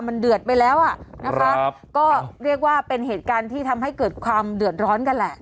มันเดือดไปแล้วอ่ะนะคะก็เรียกว่าเป็นเหตุการณ์ที่ทำให้เกิดความเดือดร้อนกันแหละ